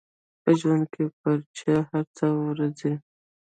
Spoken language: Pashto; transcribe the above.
په ژوند کې پر چا هر څه ورځي.